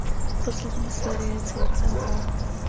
Poslední série cca.